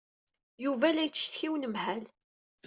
Yuba la yettcetki i unemhal.